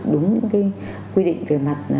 đúng cái quy định về mặt